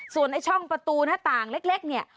ส่วนไอ้ช่องประตูหน้าต่างเล็กเนี่ย